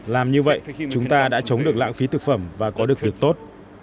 làm như vậy chúng ta đã chống được lãng phí thực phẩm và có được việc tốt